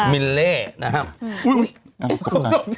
มิลเล่นะครับ